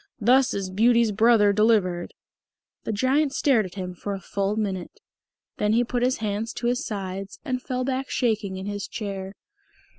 "Thus is Beauty's brother delivered!" The Giant stared at him for a full minute. Then he put his hands to his sides and fell back shaking in his chair.